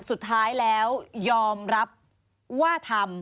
สุดท้ายแล้วยอมรับว่าทำ